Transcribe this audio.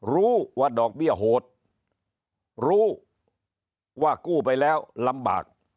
รู้ว่าดอกเบี้ยโหดรู้ว่ากู้ไปแล้วลำบาก